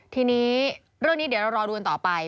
ทีนี้เรื่องนี้เดี๋ยวเรารอดูกันต่อไป